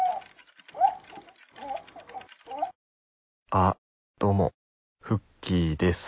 あっどうもフッキーです。